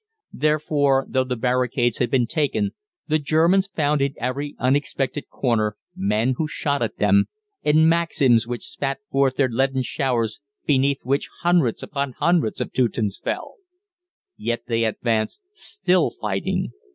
Therefore, though the barricades had been taken, the Germans found in every unexpected corner men who shot at them, and Maxims which spat forth their leaden showers beneath which hundreds upon hundreds of Teutons fell. Yet they advanced, still fighting.